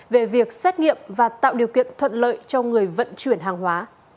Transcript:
về việc xét nghiệm và tạo điều kiện thuận lợi cho người vận chuyển hàng hóa